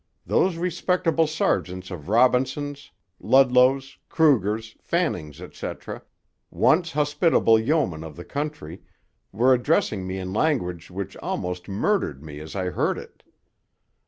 Those respectable sergeants of Robinson's, Ludlow's, Cruger's, Fanning's, etc. once hospitable yeomen of the country were addressing me in language which almost murdered me as I heard it.